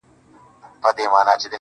• د سيند پر غاړه، سندريزه اروا وچړپېدل.